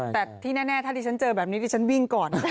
แต่ที่แน่ถ้าดิฉันเจอแบบนี้ดิฉันวิ่งก่อน